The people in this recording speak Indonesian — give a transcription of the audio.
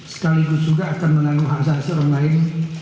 sekaligus juga akan menanggung hak asasi orang lain